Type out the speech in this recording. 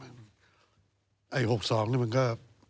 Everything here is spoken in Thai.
ไอ้๖๒มันก็